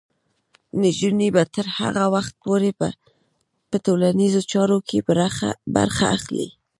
نجونې به تر هغه وخته پورې په ټولنیزو چارو کې برخه اخلي.